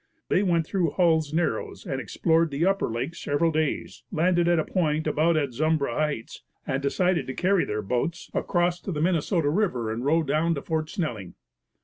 They went through Hull's narrows and explored the upper lake several days, landed at a point about at Zumbra Heights and decided to carry their boat across to the Minnesota river and row down to Fort Snelling.